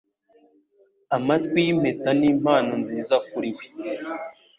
Amatwi yimpeta nimpano nziza kuri we.